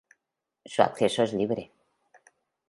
Su acceso es libre.